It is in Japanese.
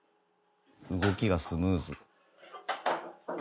動きがスムーズ。